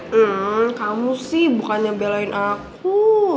hmm kamu sih bukannya belain aku